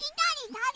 だれ？